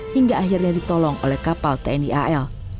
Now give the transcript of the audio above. hingga akhirnya ditolong oleh kapal tni al